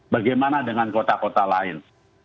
bagaimana dengan kota kota lain